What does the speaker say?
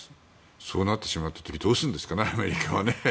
そうなってしまった時どうするんですかねアメリカは。